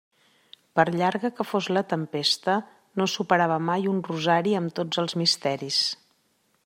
Per llarga que fos la tempesta no superava mai un rosari amb tots els misteris.